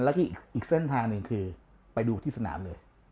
แล้วก็อีกเส้นทางหนึ่งคือไปดูที่สนามเลย